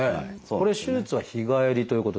これ手術は日帰りということに？